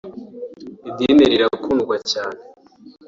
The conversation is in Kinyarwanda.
Idini rirakundwa cyane